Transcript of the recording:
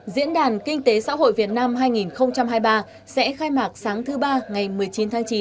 diễn đàn kinh tế xã hội việt nam hai nghìn hai mươi ba sẽ khai mạc sáng thứ ba ngày một mươi chín tháng chín